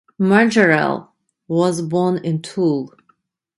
Majorelle was born in Toul.